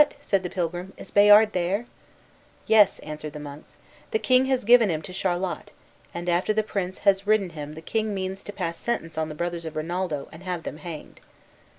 said the pilgrim; "is Bayard there?" "Yes," answered the monks; "the king has given him to Charlot, and, after the prince has ridden him the king means to pass sentence on the brothers of Rinaldo, and have them hanged."